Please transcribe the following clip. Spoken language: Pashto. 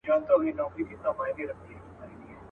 له اوږده سفره ستړي را روان وه.